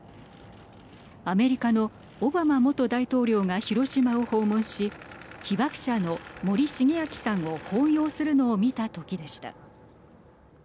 アメリカのオバマ元大統領が広島を訪問し被爆者の森重昭さんを抱擁するのを見た時でした。